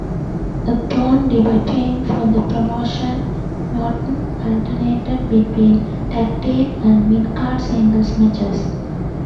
Upon debuting for the promotion, Norton alternated between tag team and mid-card singles matches.